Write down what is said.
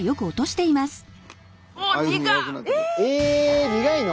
ええ苦いの！？